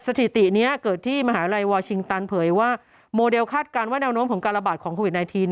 สถิตินี้เกิดที่มหาลัยวอร์ชิงตันเผยว่าโมเดลคาดการณ์ว่าแนวโน้มของการระบาดของโควิด๑๙